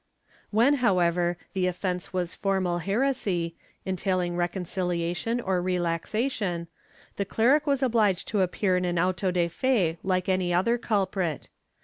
When, however, the offence was formal heresy, entailing recon ciliation or relaxation, the cleric was obliged to appear in an auto de fe, like any other culprit.